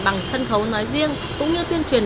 bằng sân khấu nói riêng cũng như tuyên truyền